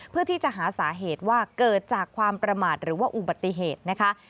เพื่อที่จะหาสาเหตุว่าเกิดจากความประมาทหรือว่าอุบัติเหตุนะคะ